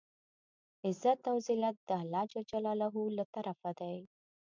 عزت او زلت د الله ج له طرفه دی.